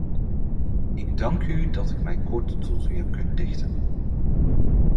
Ik dank u dat ik mij kort tot u heb kunnen richten.